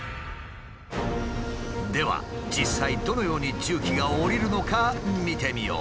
では実際どのように重機が降りるのか見てみよう。